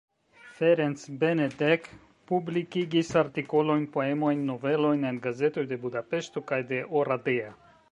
Ferenc Benedek publikigis artikolojn, poemojn, novelojn en gazetoj de Budapeŝto kaj de Oradea.